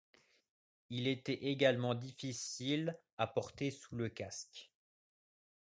Il était également difficile à porter sous le casque.